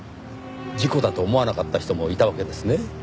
事故だと思わなかった人もいたわけですね。